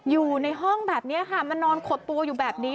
อยู่ในห้องแบบนี้ค่ะมานอนขดตัวอยู่แบบนี้